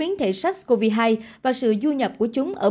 biến thể ihu xuất hiện khi omicron tiếp tục tàn phá thế giới